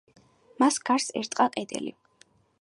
მას გარს ერტყა კედელი.